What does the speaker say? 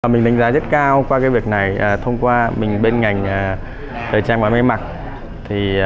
mình đánh giá rất cao qua việc này thông qua mình bên ngành thời trang và mây mặt